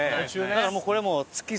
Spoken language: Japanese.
だからこれもう。